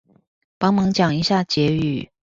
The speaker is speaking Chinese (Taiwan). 幫忙講一下結語